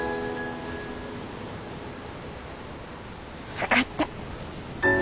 分かった。